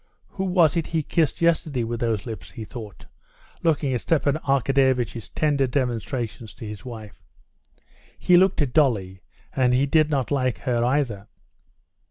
"Who was it he kissed yesterday with those lips?" he thought, looking at Stepan Arkadyevitch's tender demonstrations to his wife. He looked at Dolly, and he did not like her either.